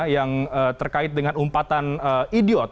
yang terkait dengan umpatan idiot